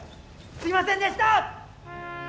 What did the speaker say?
すいませんでした！